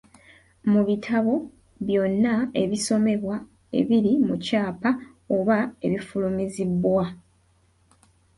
Mu bitabo byonna ebisomebwa ebiri mu kyapa oba ebifulumizibwa.